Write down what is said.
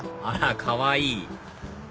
あらかわいい！